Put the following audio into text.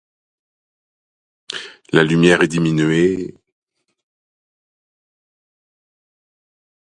La lumière est diminuée...